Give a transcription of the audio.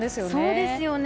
そうですよね。